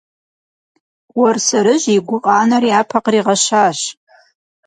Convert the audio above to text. Уэрсэрыжь и гукъанэр япэ къригъэщащ.